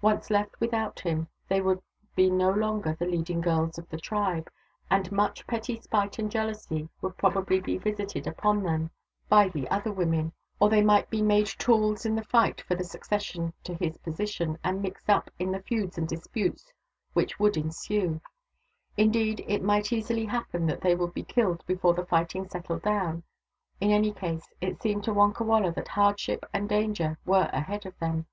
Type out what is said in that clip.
Once left without him, they would be no longer the leading girls of the tribe, and much petty spite and jealousy would probably be visited upon them by the other i64 THE DAUGHTERS OF WONKAWALA women. Or they might be made tools in the fight for the succession to his position, and mixed up in the feuds and disputes which would ensue : indeed, it might easily happen that they would be killed before the fighting settled down. In any case it seemed to Wonkawala that hardship and danger were ahead of them.